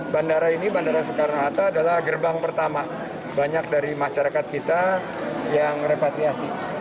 bandara ini bandara soekarno hatta adalah gerbang pertama banyak dari masyarakat kita yang repatriasi